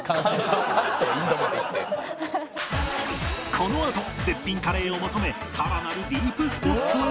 このあと絶品カレーを求めさらなるディープスポットへ！